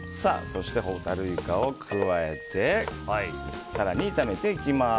そしてホタルイカを加えて更に炒めていきます。